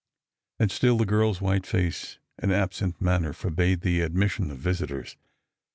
And still the girl's white face and absent manner forbade the admission of visitors.